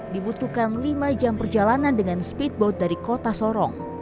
dibutuhkan lima jam perjalanan dengan speedboat dari kota sorong